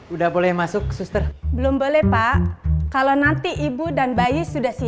udah boleh masuk suster belum boleh pak kalau nanti ibu dan bayi sudah siap